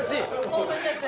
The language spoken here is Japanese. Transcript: ◆興奮しちゃって。